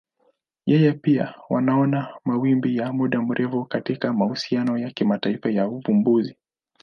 Yeye pia wanaona mawimbi ya muda mrefu katika mahusiano ya kimataifa ya uvumbuzi.